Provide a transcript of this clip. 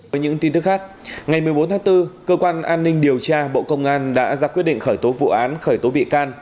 với những tin tức khác ngày một mươi bốn tháng bốn cơ quan an ninh điều tra bộ công an đã ra quyết định khởi tố vụ án khởi tố bị can